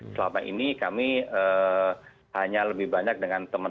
selama ini kami hanya lebih banyak dengan pengetahuan